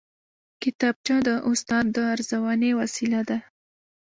کتابچه د استاد د ارزونې وسیله ده